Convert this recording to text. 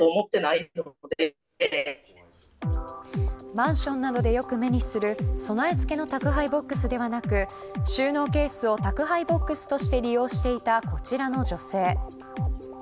マンションなどでよく目にする備え付けの宅配ボックスではなく収納ケースを宅配ボックスとして利用していた、こちらの女性。